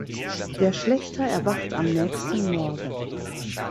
Der Schlächter erwacht am nächsten Morgen.